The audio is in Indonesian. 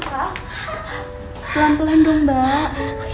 pelan pelan dong mbak